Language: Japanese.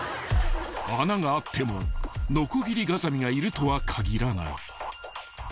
［穴があってもノコギリガザミがいるとは限らない］